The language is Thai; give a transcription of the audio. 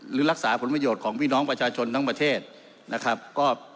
หรือรักษาผลประโยชน์ของพี่น้องประชาชนทั้งประเทศนะครับ